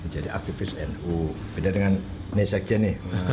jadi aktivis nu beda dengan nesak jeneh